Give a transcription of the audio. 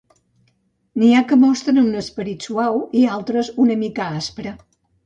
N'hi ha que mostren un esperit suau i d'altres una mica aspre.